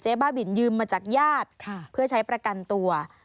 บ้าบินยืมมาจากญาติเพื่อใช้ประกันตัว